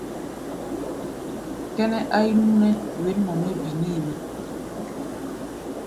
Kʼɛ́nɛ́ áí núʼnɛ́ wěn mɔ mɛ́ binɛ́ɛ ná.